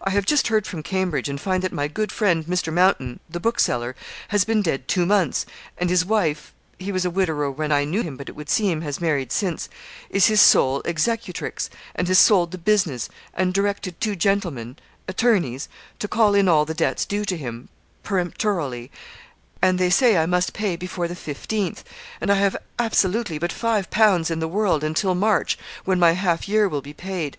I have just heard from Cambridge, and find that my good friend, Mr. Mountain, the bookseller, has been dead two months, and his wife he was a widower when I knew him, but it would seem has married since is his sole executrix, and has sold the business, and directed two gentlemen attorneys to call in all the debts due to him peremptorily and they say I must pay before the 15th; and I have, absolutely, but five pounds in the world, until March, when my half year will be paid.